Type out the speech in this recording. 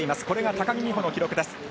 これが高木美帆の記録です。